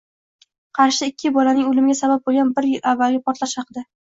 Qarshida ikki bolaning o‘limiga sabab bo‘lgan bir yil avvalgi portlash haqida